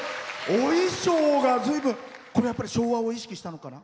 お衣装が、ずいぶんこれは昭和を意識したのかな？